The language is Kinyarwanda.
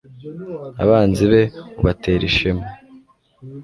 abanzi be ubatera ishema